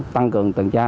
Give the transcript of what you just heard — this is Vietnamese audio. tăng cường tần tra